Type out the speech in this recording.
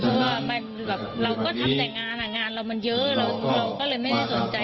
แต่คุณเขาก็เป็นคนทัศน์ที่อย่าใส่ดี